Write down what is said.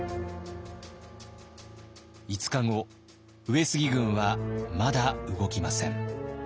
５日後上杉軍はまだ動きません。